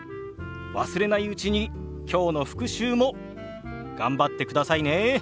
忘れないうちに今日の復習も頑張ってくださいね。